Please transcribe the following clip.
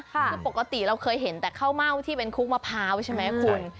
คือปกติเราเคยเห็นแต่ข้าวเม่าที่เป็นคลุกมะพร้าวใช่ไหมคุณ